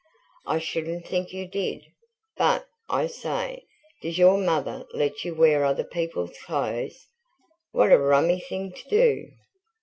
"I shouldn't think you did. But I say, does your mother let you wear other people's clothes? What a rummy thing to do!"